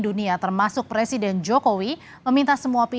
dan mereka tidak memilih keputusan